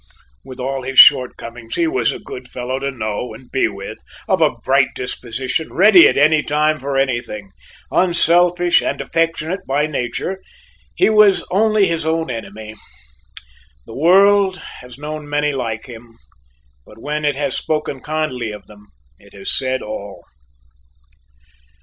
With all his shortcomings, he was a good fellow to know and be with; of a bright disposition, ready at any time for anything, unselfish and affectionate by nature, he was only his own enemy. The world has known many like him, but when it has spoken kindly of them, it has said all.